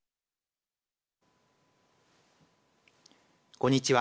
こんにちは。